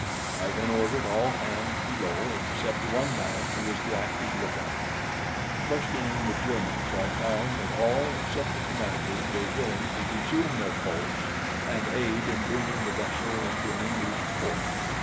I then ordered all hands below except one man who was to act as lookout. Questioning the Germans, I found that all except the commander were willing to resume their posts and aid in bringing the vessel into an English port.